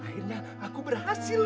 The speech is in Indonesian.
akhirnya aku berhasil